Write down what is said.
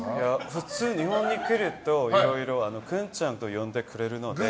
普通日本に来るとグンちゃんと呼んでくれるので。